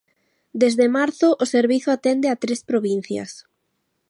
Desde marzo o servizo atende a tres provincias.